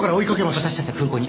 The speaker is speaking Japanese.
私たちは空港に。